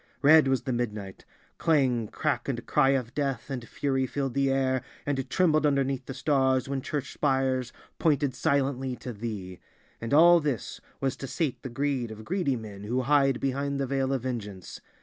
Red was the midnight; clang, crack and cry of death and fury filled the air and trembled underneath the stars when church spires pointed silently to Thee. And all this was to sate the greed of greedy men who hide behind the veil of vengeance!